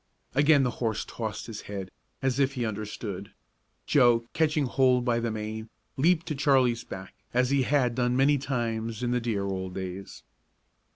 Again the horse tossed his head, as if he understood. Joe, catching hold by the mane, leaped to Charlie's back, as he had done many times in the dear old days.